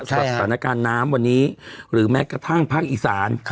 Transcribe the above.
สถานการณ์น้ำวันนี้หรือแม้กระทั่งภาคอีสาน